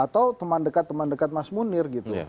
atau teman dekat teman dekat mas munir gitu